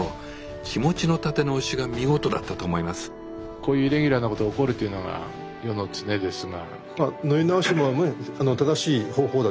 こういうイレギュラーなことが起こるというのが世の常ですが。